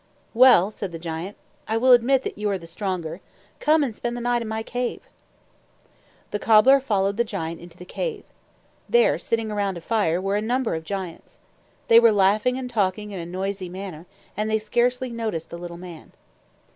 "Well," said the giant, "I will admit that you are the stronger. Come and spend the night in my cave." The cobbler followed the giant into the cave. There, sitting around a fire, were a number of giants. They were laughing and talking in a noisy manner, and they scarcely noticed the little man.